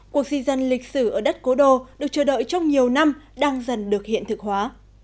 cuộc di dân lịch sử ở đất cố đô được chờ đợi trong nhiều năm đang dần được hiện thực hóa